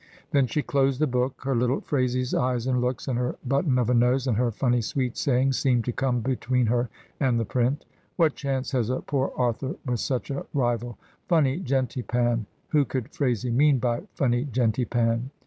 Then she closed the book. Her little Phraisie's eyes and looks, and her button of a nose, and her fimny sweet sayings, seemed to come between her and the print What chance has a poor author with such a rival? "Funny gentypan," who could Phraisie mean by "funny gentypan"?